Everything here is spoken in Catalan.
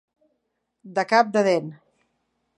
De cap de dent.